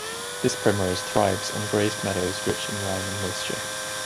This primrose thrives on grazed meadows rich in lime and moisture.